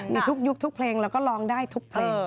มีทุกยุคทุกเพลงแล้วก็ร้องได้ทุกเพลง